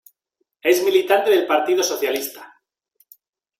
Es militante del Partido Socialista.